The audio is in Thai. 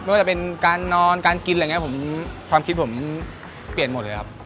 ไม่ว่าจะเป็นการนอนการกินความคิดผมเปลี่ยนหมดเลยครับ